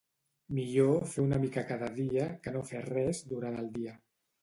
Millor fer una mica cada dia que no fer res durant el dia